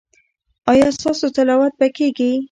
ایا ستاسو تلاوت به کیږي؟